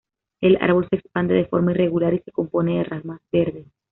El árbol se expande de forma irregular, y se compone de ramas verdes.